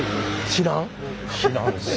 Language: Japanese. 知らんて。